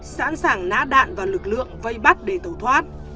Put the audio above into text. sẵn sàng nã đạn và lực lượng vây bắt để tẩu thoát